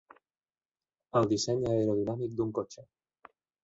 El disseny aerodinàmic d'un cotxe.